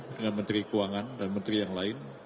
dengan menteri keuangan dan menteri yang lain